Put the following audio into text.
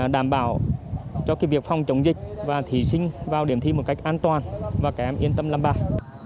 đảm bảo cho việc phòng chống dịch và thí sinh vào điểm thi một cách an toàn và các em yên tâm làm bài